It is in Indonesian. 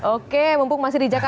oke mumpung masih di jakarta gitu ya